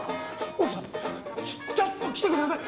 奥さんちょっと来てください！